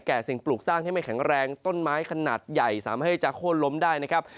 สิ่งปลูกสร้างที่ไม่แข็งแรงต้นไม้ขนาดใหญ่สามารถให้จะโค้นล้มได้นะครับ